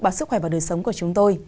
bác sức khỏe và đời sống của chúng tôi